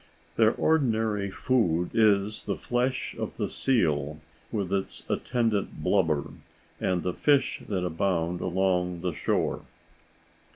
Their ordinary food is the flesh of the seal, with its attendant blubber, and the fish that abound along the shore.